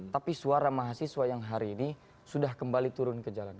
tapi suara mahasiswa yang hari ini sudah kembali turun ke jalan